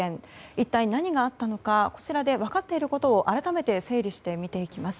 一体何があったのかこちらで分かっていることを改めて整理して見ていきます。